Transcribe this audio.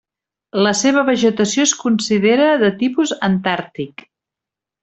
La seva vegetació es considera de tipus antàrtic.